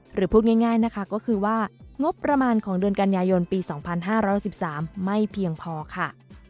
พูดง่ายนะคะก็คือว่างบประมาณของเดือนกันยายนปี๒๕๖๓ไม่เพียงพอค่ะ